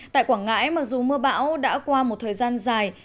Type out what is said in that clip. tại quảng ngãi mặc dù mưa bão đã qua một thời gian dài